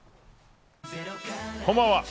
こんばんは。